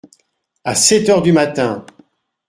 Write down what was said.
À sept heures du matin !